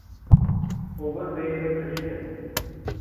Overbay is a Christian.